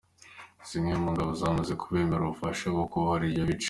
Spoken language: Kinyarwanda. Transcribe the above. Zimwe mu ngabo zamaze kubemerera ubufasha mu kubohora ibyo bice.